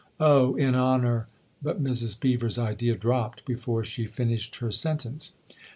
" Oh, in honour " But Mrs. Beever's idea dropped before she finished her sentence.